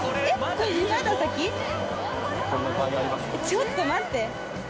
ちょっと待って。